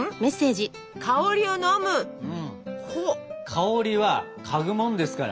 香りは嗅ぐもんですから。